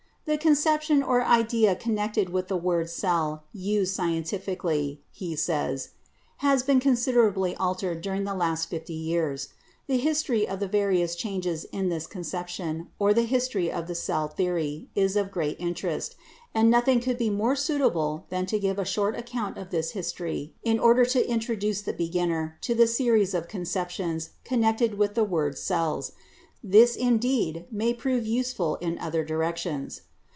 "The conception or idea connected with the word 'cell,' used scientifically," he says, "has been con siderably altered during the last fifty years. The history of the various changes in this conception, or the history of the cell theory, is of great interest, and nothing could be more suitable than to give a short account of this his tory in order to introduce the beginner to the series of conceptions connected with the word 'cells'; this, indeed, may prove useful in other directions.